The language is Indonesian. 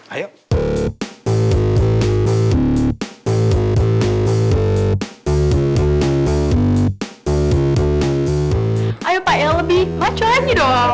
ayo pak yang lebih maco aja dong